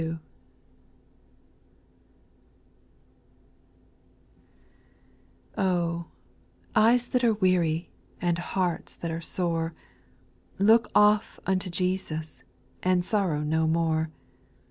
/\H, eyes that are weary, \J And hearts that are sore, Look off unto Jesus, And sorrow no more.